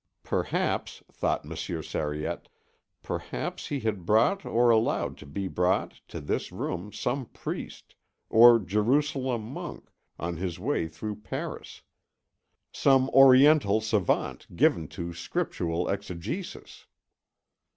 Perhaps, thought Monsieur Sariette, perhaps he had brought or allowed to be brought to this room some priest, or Jerusalem monk, on his way through Paris; some Oriental savant given to scriptural exegesis.